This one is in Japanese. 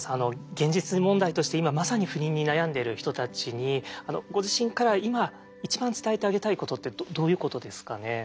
現実問題として今まさに不妊に悩んでいる人たちにご自身から今一番伝えてあげたいことってどういうことですかね？